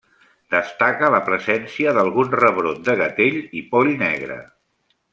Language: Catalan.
Destaca la presència d'algun rebrot de gatell i poll negre.